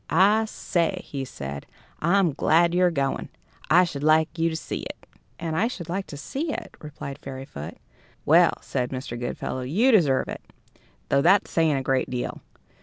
"I say," he said, "I'm glad you're going. I should like you to see it." "And I should like to see it," replied Fairyfoot. "Well," said Mr. Goodfellow, "you deserve it, though that's saying a great deal.